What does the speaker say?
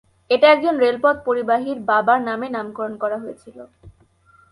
এটি একজন রেলপথ পরিবাহীর বাবার নামে নামকরণ করা হয়েছিল।